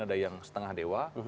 ada yang setengah dewa